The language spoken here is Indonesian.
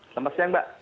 selamat siang mbak